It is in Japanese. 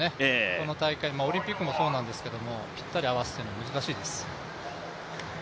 この大会、オリンピックもそうなんですけれども、ぴったり合わせるのは難しいです。